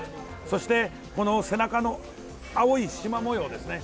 そして背中の青いしま模様ですね。